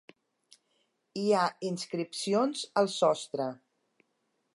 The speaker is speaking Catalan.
Hi ha inscripcions al sostre.